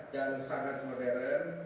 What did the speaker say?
dan sangat modern